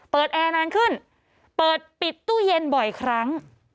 แอร์นานขึ้นเปิดปิดตู้เย็นบ่อยครั้ง